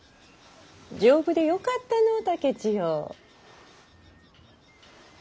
丈夫でよかったのぅ竹千代。